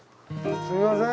すみません。